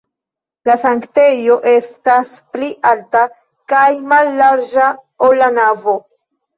La sanktejo estas pli malalta kaj mallarĝa, ol la navo.